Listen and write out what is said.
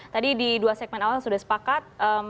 tadi di dua segmen awal sudah sepakat